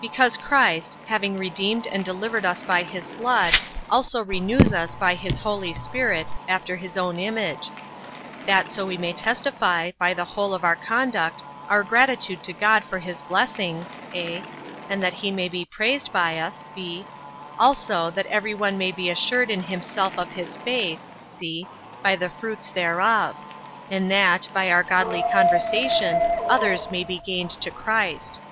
Because Christ, having redeemed and delivered us by his blood, also renews us by his Holy Spirit, after his own image; that so we may testify, by the whole of our conduct, our gratitude to God for his blessings, (a) and that he may be praised by us; (b) also, that every one may be assured in himself of his faith, (c) by the fruits thereof; and that, by our godly conversation others may be gained to Christ.